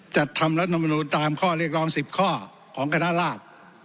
จัดทำรัฐมนุนตามข้อเรียกร้อง๑๐ข้อของคณะราช